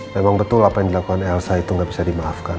memang betul apa yang dilakukan elsa itu nggak bisa dimaafkan